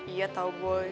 iya tau boy